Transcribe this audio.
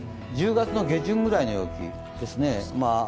１０月下旬ぐらいの陽気ですね。